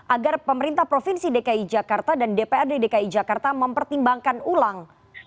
agar pemerintah provinsi dki jakarta dan dprd dki jakarta mempertimbangkan ulang